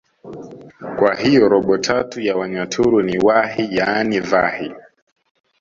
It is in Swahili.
kwa hiyo robo tatu ya wanyaturu ni wahi yaani vahi